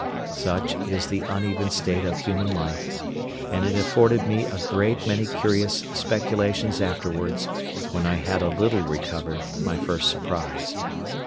Such is the uneven state of human life; and it afforded me a great many curious speculations afterwards, when I had a little recovered my first surprise.